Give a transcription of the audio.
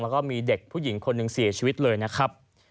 แล้วก็มีเด็กผู้หญิงคนหนึ่งเสียชีวิตเลยนะครับ